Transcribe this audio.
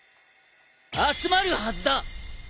集まるはずだ！